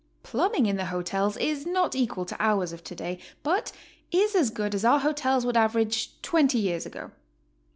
Plumbing in the hotels is not equal to ours of today, but is as good as our hotels would average twenty years ago.